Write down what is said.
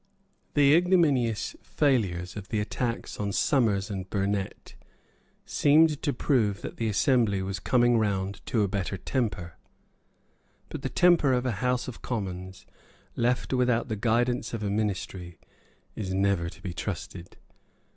The ignominious failure of the attacks on Somers and Burnet seemed to prove that the assembly was coming round to a better temper. But the temper of a House of Commons left without the guidance of a ministry is never to be trusted.